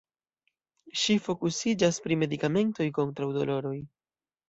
Ŝi fokusiĝas pri medikamentoj kontraŭ doloroj.